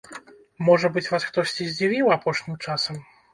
Можа быць, вас хтосьці здзівіў апошнім часам?